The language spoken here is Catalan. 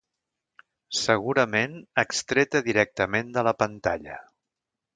Segurament extreta directament de la pantalla.